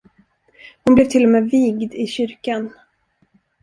Hon blev till och med vigd i kyrkan.